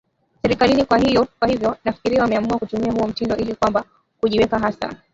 serikalini kwa hivyo nafikiria wameamua kutumia huo mtindo ili kwamba kujiweka hasa